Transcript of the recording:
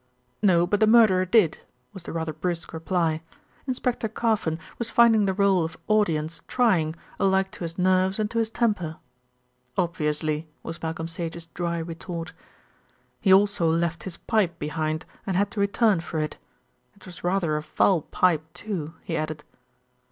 "No; but the murderer did," was the rather brusque reply. Inspector Carfon was finding the role of audience trying, alike to his nerves and to his temper. "Obviously," was Malcolm Sage's dry retort. "He also left his pipe behind and had to return for it. It was rather a foul pipe, too," he added.